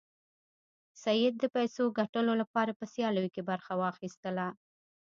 سید د پیسو ګټلو لپاره په سیالیو کې برخه واخیسته.